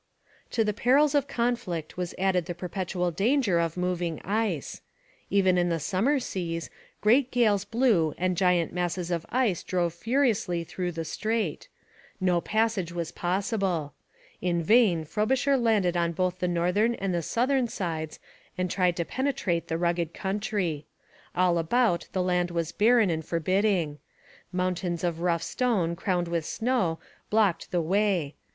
To the perils of conflict was added the perpetual danger of moving ice. Even in the summer seas, great gales blew and giant masses of ice drove furiously through the strait. No passage was possible. In vain Frobisher landed on both the northern and the southern sides and tried to penetrate the rugged country. All about the land was barren and forbidding. Mountains of rough stone crowned with snow blocked the way.